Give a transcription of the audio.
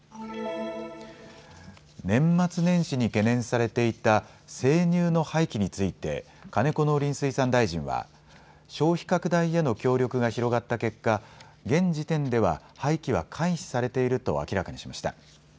年末年始に懸念されていた生乳の廃棄について金子農林水産大臣は消費拡大への協力が広がった結果、現時点では廃棄は回避されていると明らかにしました。